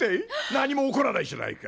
何も起こらないじゃないか！